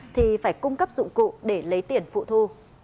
thì phải cung cấp dụng cụ để lấy tiền phụ thu